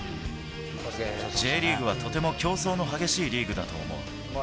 Ｊリーグはとても競争の激しいリーグだと思う。